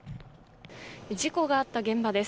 事故があった現場です。